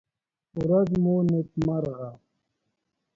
ورڅ مو نېکمرغه!